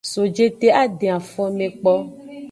So jete a den afome kpo.